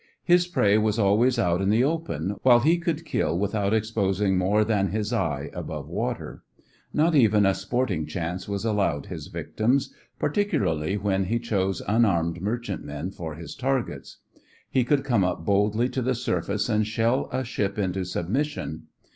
His prey was always out in the open, while he could kill without exposing more than his eye above water. Not even a sporting chance was allowed his victims, particularly when he chose unarmed merchantmen for his targets. He could come up boldly to the surface and shell a ship into submission.